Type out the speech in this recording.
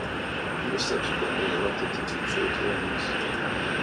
He was subsequently elected to two full terms.